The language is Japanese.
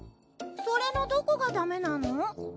それのどこがダメなの？